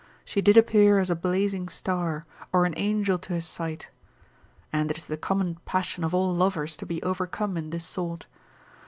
she did appear as a blazing star, or an angel to his sight. And it is the common passion of all lovers to be overcome in this sort.